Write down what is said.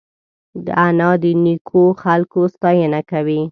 انا د نیکو خلکو ستاینه کوي